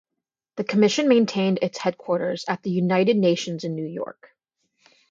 The Commission maintained its headquarters at the United Nations in New York.